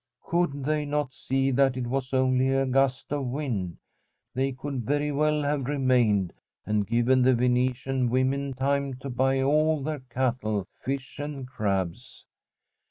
Could they not see that it was only a gust of wind? They could very well have remained and given the Venetian women time to buy all their cattle, fish, and crabs.